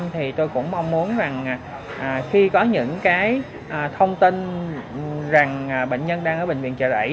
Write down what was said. thì tôi cũng mong muốn rằng khi có những cái thông tin rằng bệnh nhân đang ở bệnh viện chợ rẫy